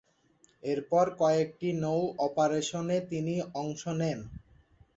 এরপর কয়েকটি নৌ অপারেশনে তিনি অংশ নেন।